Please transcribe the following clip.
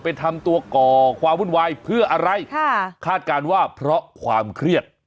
ทำตัวก่อความวุ่นวายเพื่ออะไรค่ะคาดการณ์ว่าเพราะความเครียด